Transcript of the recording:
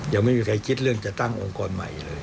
ยังไม่มีใครคิดเรื่องจะตั้งองค์กรใหม่เลย